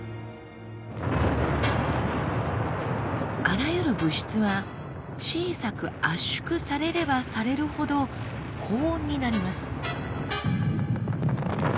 あらゆる物質は小さく圧縮されればされるほど高温になります。